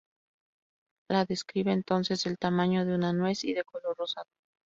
La describe entonces del tamaño de una nuez y de color rosado.